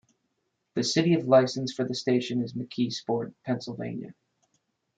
The city of license for the station is McKeesport, Pennsylvania.